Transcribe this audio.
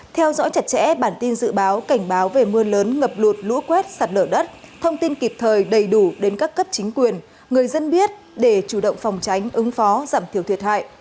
theo dõi chặt chẽ bản tin dự báo cảnh báo về mưa lớn ngập lụt lũ quét sạt lở đất thông tin kịp thời đầy đủ đến các cấp chính quyền người dân biết để chủ động phòng tránh ứng phó giảm thiểu thiệt hại